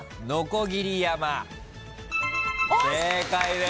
正解です。